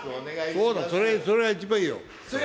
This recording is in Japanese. そうだ、それが一番いいよ。